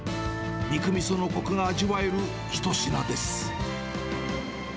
肉みそのこくが味わえる一品です。